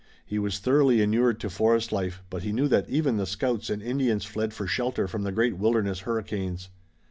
He was thoroughly inured to forest life, but he knew that even the scouts and Indians fled for shelter from the great wilderness hurricanes.